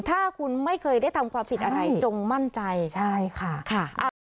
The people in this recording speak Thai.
ถ้าคุณไม่เคยได้ทำความผิดอะไรจงมั่นใจใช่ค่ะ